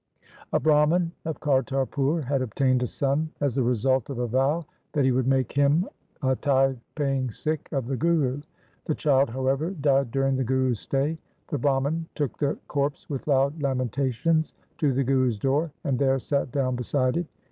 A Brahman of Kartarpur had obtained a son as LIFE OF GURU HAR RAI 297 the result of a vow that he would make him a tithe paying Sikh of the Guru. The child, however, died during the Guru's stay. The Brahman took the corpse with loud lamentations to the Guru's door, and there sat down beside it.